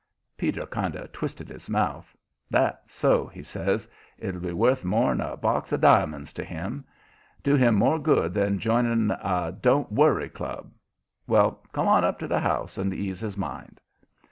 Peter kind of twisted his mouth. "That's so," he says. "It'll be worth more'n a box of diamonds to him. Do him more good than joining a 'don't worry club.' Well, come on up to the house and ease his mind."